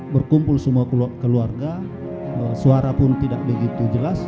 berkumpul semua keluarga suara pun tidak begitu jelas